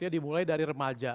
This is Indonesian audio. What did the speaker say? dimulai dari remaja